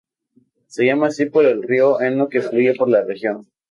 Se llama así por el río Eno que fluye por la región.